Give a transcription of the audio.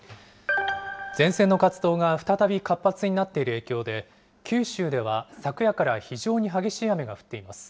前線の活動が再び活発になっている影響で、九州では昨夜から非常に激しい雨が降っています。